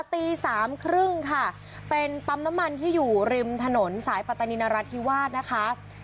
ตี๓๓๐ค่ะเป็นปั๊มน้ำมันที่อยู่ริมถนนสายปรตนินรธิวาสนะคะ